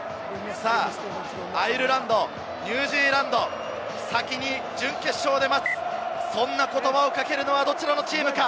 アイルランド、ニュージーランド、先に準決勝で待つ、そんな言葉をかけるのはどちらのチームか？